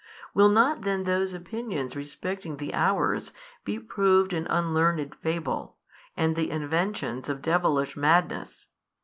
Will not then those opinions respecting the hours be proved an unlearned fable, and the inventions of devilish madness?